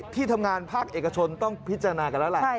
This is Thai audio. ที่ทำงานภาคเอกชนต้องพิจารณากันแล้วแหละ